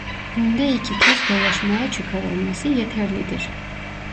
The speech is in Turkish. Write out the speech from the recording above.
Günde iki kez dolaşmaya çıkarılması yeterlidir.